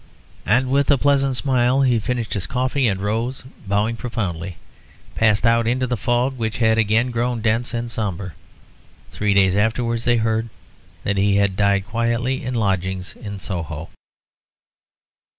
And with a pleasant smile he finished his coffee and rose, bowing profoundly, passed out into the fog, which had again grown dense and sombre. Three days afterwards they heard that he had died quietly in lodgings in Soho.